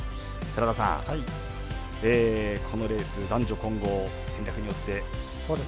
寺田さん、このレース男女混合戦略によって。